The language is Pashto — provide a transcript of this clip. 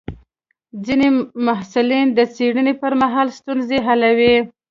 ځینې محصلین د څېړنې پر مهال ستونزې حلوي.